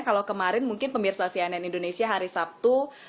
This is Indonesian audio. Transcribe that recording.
kalau kemarin mungkin pemirsa cnn indonesia hari sabtu